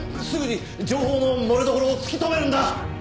すぐに情報の漏れどころを突き止めるんだ！